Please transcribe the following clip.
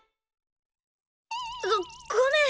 ごっごめん！